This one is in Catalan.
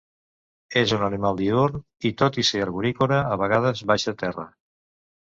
És un animal diürn i, tot i ser arborícola, a vegades baixa a terra.